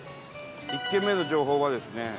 １軒目の情報はですね